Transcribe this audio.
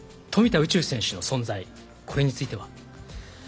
宇宙選手の存在これについては？